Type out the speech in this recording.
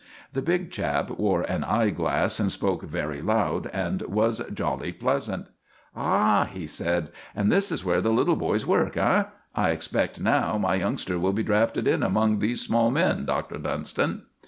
The big chap wore an eye glass and spoke very loud, and was jolly pleasant. "Ah!" he said, "and this is where the little boys work, eh? I expect, now, my youngster will be drafted in among these small men, Doctor Dunston?"